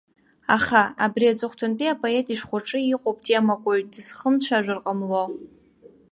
Аха, абри аҵыхәтәантәи апоет ишәҟәаҿы иҟоуп темак уаҩ дызхымцәажәар ҟамло.